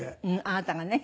あなたがね。